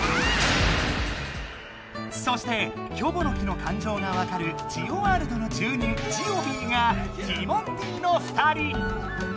そしてキョボの木のかんじょうがわかるジオワールドの住人「ジオビー」がティモンディの２人。